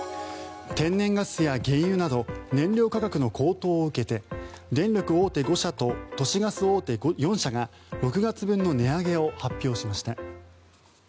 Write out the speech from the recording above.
天然ガスや原油など燃料価格の高騰を受けて電力大手５社と都市ガス大手４社が６月分の値上げを発表しました。